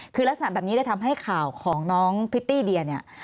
คือลักษณะแบบนี้เลยทำให้ข่าวของน้องพริตตี้เดียเนี่ย